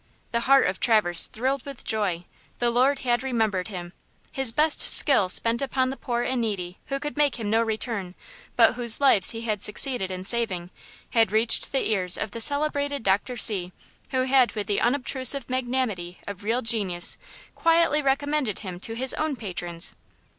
The heart of Traverse thrilled with joy. The Lord had remembered him! His best skill spent upon the poor and needy who could make him no return, but whose lives he had succeeded in saving, had reached the ears of the celebrated Dr. C., who had with the unobtrusive magnanimity of real genius quietly recommended him to his own patrons.